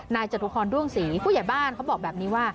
จตุพรด้วงศรีผู้ใหญ่บ้านเขาบอกแบบนี้ว่า